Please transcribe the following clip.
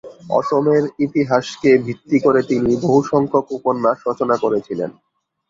অসমের ইতিহাসকে ভিত্তি করে তিনি বহুসংখ্যক উপন্যাস রচনা করেছিলেন।